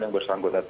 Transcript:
yang bersanggota itu